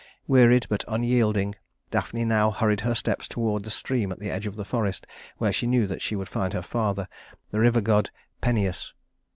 Wearied but unyielding, Daphne now hurried her steps toward the stream at the edge of the forest, where she knew that she would find her father, the river god Peneus.